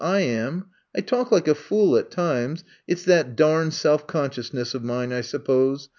I am. I talk like a fool at times. It 's that dam self consciousness of mine, I suppose.